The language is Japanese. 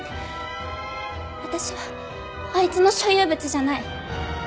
私はあいつの所有物じゃない。